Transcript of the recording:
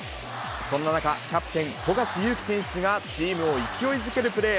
そんな中、キャプテン、富樫勇樹選手がチームを勢いづけるプレー。